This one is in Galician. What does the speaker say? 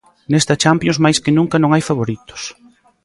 Nesta Champions máis que nunca non hai favoritos.